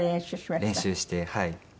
練習してはい。